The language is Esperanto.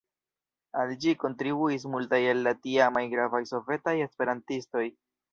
Al ĝi kontribuis multaj el la tiamaj gravaj sovetaj esperantistoj.